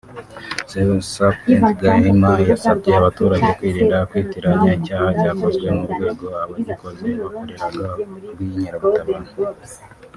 Supt Gahima yasabye abaturage kwirinda kwitiranya icyaha cyakozwe n’urwego abagikoze bakoreraga rw’inkeragutabara